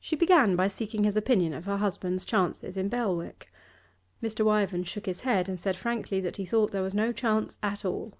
She began by seeking his opinion of her husband's chances in Belwick. Mr. Wyvern shook his head and said frankly that he thought there was no chance at all.